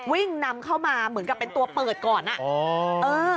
วิ่งนำเข้ามาเหมือนกับเป็นตัวเปิดก่อนอ่ะ